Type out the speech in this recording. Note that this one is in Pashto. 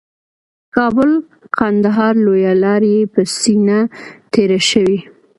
کابل قندهار لویه لاره یې په سینه تېره شوې